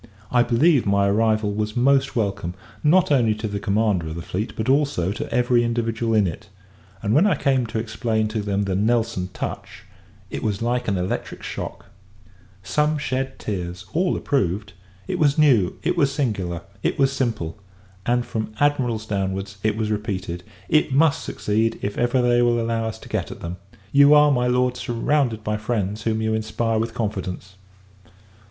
I believe, my arrival was most welcome; not only to the commander of the fleet, but also to every individual in it: and, when I came to explain to them the Nelson touch, it was like an electric shock. Some shed tears, all approved "It was new, it was singular, it was simple!" and, from Admirals downwards, it was repeated "It must succeed, if ever they will allow us to get at them! You are, my Lord, surrounded by friends whom you inspire with confidence."